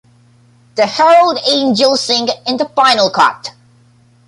The Herald Angels Sing in the final cut.